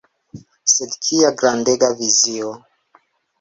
Sed kia grandega vizio!